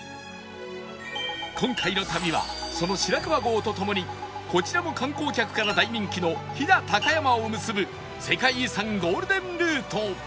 今回の旅はその白川郷とともにこちらも観光客から大人気の飛騨高山を結ぶ世界遺産ゴールデンルート